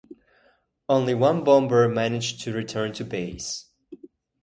Only one bomber managed to return to base.